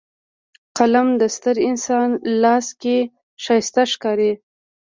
قلم د ستر انسان لاس کې ښایسته ښکاري